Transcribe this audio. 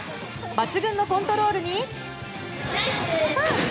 抜群のコントロールに。